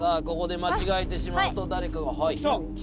ここで間違えてしまうと誰かがはい！